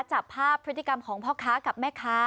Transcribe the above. จับภาพพฤติกรรมของพ่อค้ากับแม่ค้า